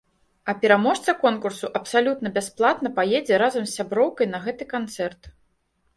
А пераможца конкурсу абсалютна бясплатна паедзе разам з сяброўкай на гэты канцэрт!